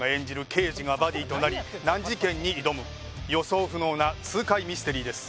刑事がバディとなり難事件に挑む予想不能な痛快ミステリーです